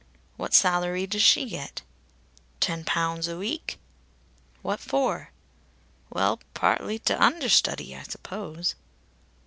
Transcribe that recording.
"What salary does she get?" "Ten pounds a week." "What for?" "Well partly to understudy, I suppose."